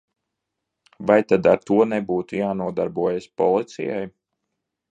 Vai tad ar to nebūtu jānodarbojas policijai?